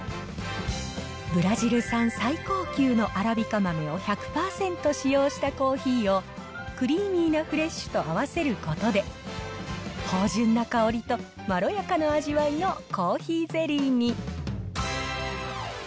ブラジル産最高級のアラビカ豆を１００％使用したコーヒーを、クリーミーなフレッシュと合わせることで、芳じゅんな香りとまろやかな味わいのコーヒーゼリーに。